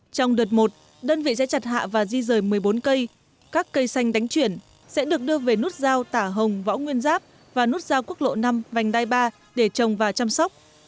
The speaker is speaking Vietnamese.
trong đợt một đơn vị sẽ chặt hạ và di rời một mươi bốn cây các cây xanh đánh chuyển sẽ được đưa về nút giao tả hồng võ nguyên giáp và nút giao quốc lộ năm vành đai ba để trồng và chăm sóc